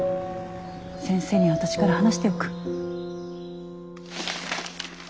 先生には私から話しておく。